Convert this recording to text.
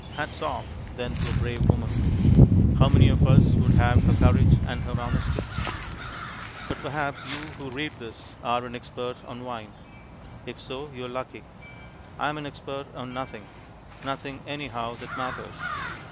Hats off, then, to a brave woman! How many of us would have her courage and her honesty? But perhaps you who read this are an expert on wine. If so, you are lucky. I am an expert on nothing nothing, anyhow, that matters.